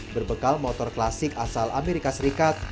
berbekal motor klasik asal amerika serikat